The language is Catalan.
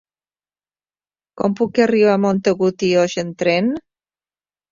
Com puc arribar a Montagut i Oix amb tren?